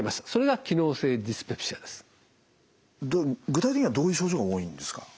具体的にはどういう症状が多いんですか？